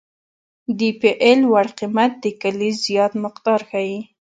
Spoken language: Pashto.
د پی ای لوړ قیمت د کلې زیات مقدار ښیي